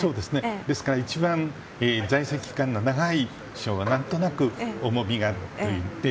ですから一番、在籍期間の長い首相が何となく重みがあって。